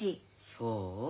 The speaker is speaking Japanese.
そう？